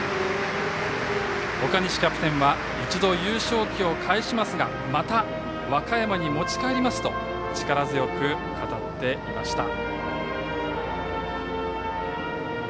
岡西キャプテンは一度、優勝旗を返しますがまた和歌山に持ち帰りますと力強く語っていました。